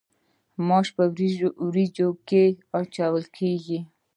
ماش په وریجو کې اچول کیږي.